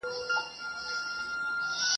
مُلایانو به زکات ولي خوړلای !.